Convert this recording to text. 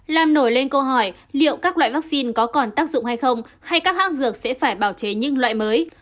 làm nổi lên câu hỏi liệu các loại vaccine có còn tác dụng hay không hay các hãng dược sẽ phải bảo chế những loại mới